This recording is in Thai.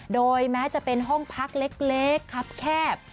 โดยแม้จะเป็นห้องพักเล็กครับแคบ